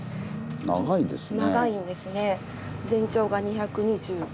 長いですね。